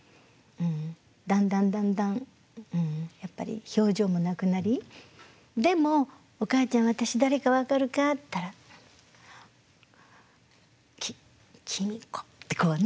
だんだんだんだんやっぱり表情もなくなりでも「おかあちゃん私誰か分かるか？」って言ったら「ききみこ」ってこうね